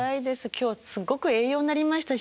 今日すごく栄養になりました